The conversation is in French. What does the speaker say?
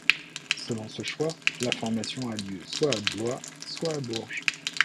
Selon ce choix, la formation a lieu soit à Blois, soit à Bourges.